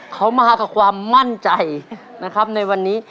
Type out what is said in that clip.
เขามากับความมั่นใจนะครับในวันนี้